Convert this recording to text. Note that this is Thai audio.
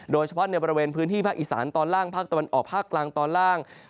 โดยเฉพาะในบริเวณพื้นที่ภาคอีสานตอนล่างภาคตะวันออกภาคกลางตอนล่าง